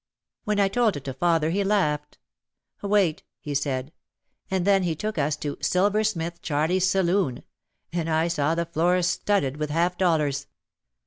When I told it to father he laughed. "Wait," he said. And then he took us to "Silver Smith Charlie's saloon" and I saw the floor studded with half dollars